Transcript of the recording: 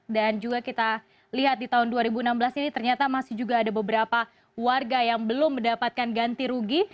dan juga kita lihat di tahun dua ribu enam belas ini ternyata masih juga ada beberapa warga yang belum mendapatkan ganti rugi